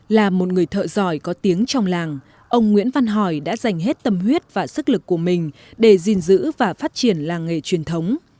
là một người thợ giỏi có tiếng trong làng ông nguyễn văn hỏi đã dành hết tâm huyết và sức lực của mình để gìn giữ và phát triển làng nghề truyền thống